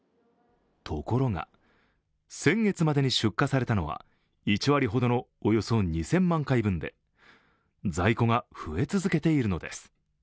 ところが、先月までに出荷されたのは１割ほどのおよそ２０００万回分で在庫が増え続けているのです。